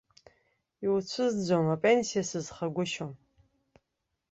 Иуцәызӡом, апенсиа сызхагәышьом.